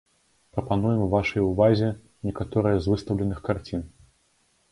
Прапануем вашай увазе некаторыя з выстаўленых карцін.